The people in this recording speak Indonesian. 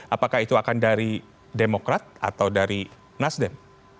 apakah itu akan dari demokrat atau dari nasdem